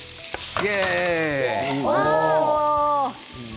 イエーイ！